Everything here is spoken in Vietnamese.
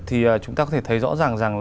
thì chúng ta có thể thấy rõ ràng rằng